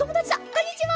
こんにちは！